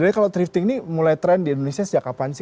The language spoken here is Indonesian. jadi kalau thrifting ini mulai tren di indonesia sejak kapan sih